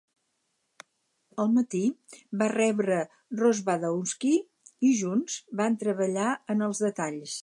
Al matí, va rebre Rozwadowski i junts van treballar en els detalls.